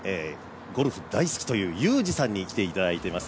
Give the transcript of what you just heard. ゴルフ大好きというユージさんに来ていただいています。